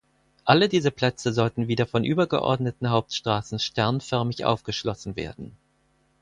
Alle diese Plätze sollten wieder von übergeordneten Hauptstraßen sternförmig aufgeschlossen werden.